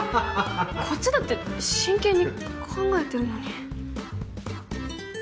こっちだって真剣に考えてるのに。